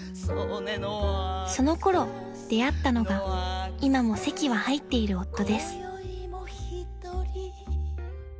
［その頃出会ったのが今も籍は入っている夫です］